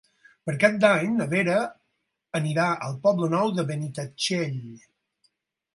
Per Cap d'Any na Vera anirà al Poble Nou de Benitatxell.